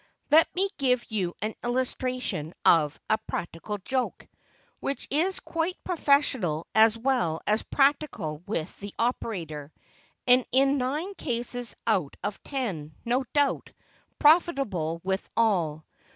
Let me give an illustration of a "practical joke," which is quite professional as well as practical with the operator, and in nine cases out of ten, no doubt, profitable withal.